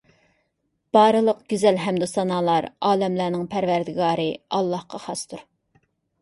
بارلىق گۈزەل ھەمدۇسانالار ئالەملەرنىڭ پەرۋەردىگارى ئاللاھقا خاستۇر